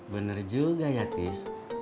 bener juga ya tis